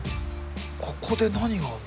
ここで何があるの？